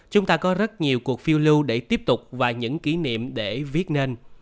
chúng ta có rất nhiều cuộc phiêu lưu để tiếp tục và những kỷ niệm để viết nên